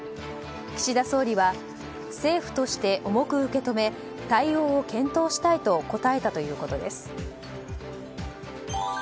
岸田総理は政府として重く受け止め対応を検討したいと答えたということです。